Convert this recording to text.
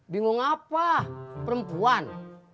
bingung apa perempuan